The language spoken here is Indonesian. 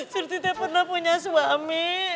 surti tak pernah punya suami